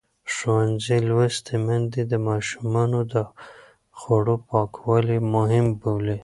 ښوونځې لوستې میندې د ماشومانو د خوړو پاکوالی مهم بولي.